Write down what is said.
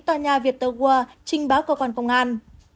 tòa nhà viettel world trinh báo cơ quan công an